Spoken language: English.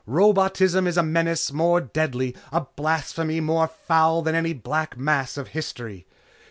Robotism is a menace more deadly, a blasphemy more foul than any Black Mass of history.